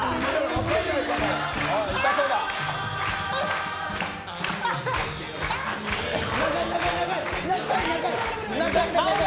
分からないかも！